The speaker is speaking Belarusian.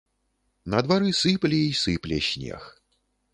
На двары сыпле і сыпле снег.